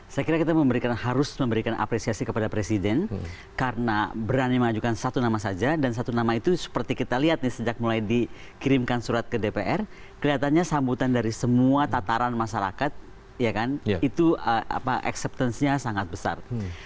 saya kira kita memberikan harus memberikan apresiasi kepada presiden karena berani mengajukan satu nama saja dan satu nama itu seperti kita lihat nih sejak mulai dikirimkan surat ke dpr kelihatannya sambutan dari semua tataran masyarakat itu ekseptance nya sangat besar